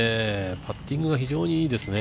パッティングが非常にいいですね。